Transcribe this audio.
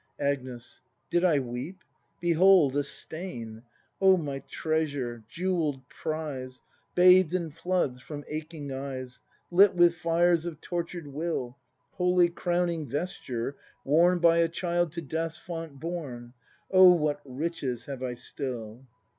Agnes. Did I weep? Behold, a stain! Oh, my treasure! Jewell'd prize, Bath'd in floods from aching eyes. Lit with fires of tortured Will, Holy Crowning vesture, worn By a child to Death's font borne. Oh, what riches have I still!